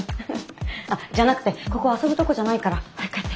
あっじゃなくてここ遊ぶとこじゃないから早く帰って。